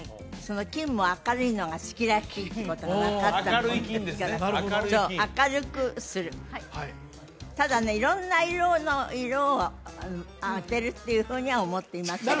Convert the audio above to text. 菌も明るいのが好きらしいってことが分かったもんですからそう明るくするただね色んな色の色を当てるっていうふうには思っていません